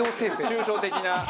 抽象的な。